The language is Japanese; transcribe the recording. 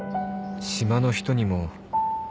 島の人にも